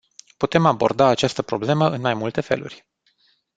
Putem aborda această problemă în mai multe feluri.